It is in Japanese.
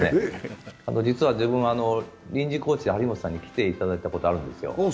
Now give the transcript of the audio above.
あと実は自分、臨時コーチで張本さんに来ていただいたことあるんですよ。